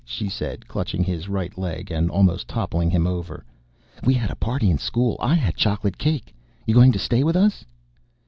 she said, clutching his right leg and almost toppling him over. "We had a party in school. I had chocolate cake. You goin' to stay with us?"